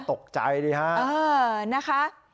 ตกใจดิฮะเออนะคะ